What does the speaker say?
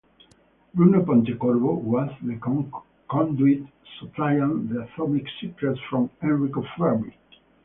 Bruno Pontecorvo was the conduit supplying the atomic secrets from Enrico Fermi.